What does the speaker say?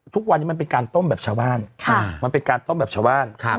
ทุกวันนี้มันเป็นการต้มแบบชาวบ้าน